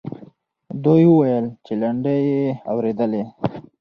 دوی وویل چې لنډۍ یې اورېدلې.